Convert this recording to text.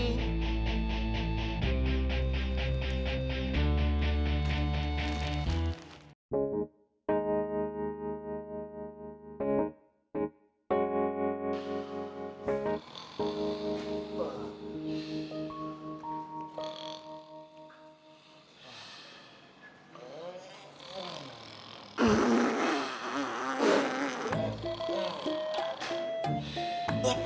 sampai jumpa lagi